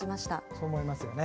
そう思いますよね。